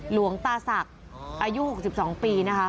หลวงตาศักดิ์อายุ๖๒ปีนะคะ